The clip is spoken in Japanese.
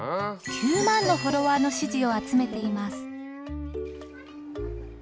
９万のフォロワーの支持を集めています。